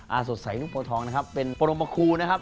สดใสนุ่งโพทองนะครับเป็นปรมคูนะครับ